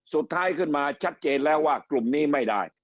สุดท้ายขึ้นมาชัดเจนแล้วว่ากลุ่มนี้ไม่ได้